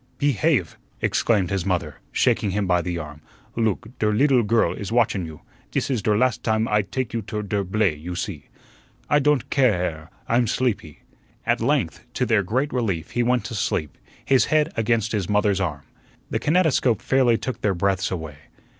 "Pehave!" exclaimed his mother, shaking him by the arm; "loog, der leedle girl is watchun you. Dis is der last dime I take you to der blay, you see." "I don't ca are; I'm sleepy." At length, to their great relief, he went to sleep, his head against his mother's arm. The kinetoscope fairly took their breaths away.